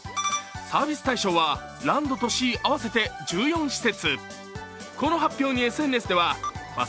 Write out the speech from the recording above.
サービス対象は、ランドとシー合わせて１４施設。